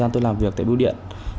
tôi làm việc tại bưu điện